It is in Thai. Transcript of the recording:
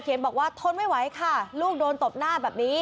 บอกว่าทนไม่ไหวค่ะลูกโดนตบหน้าแบบนี้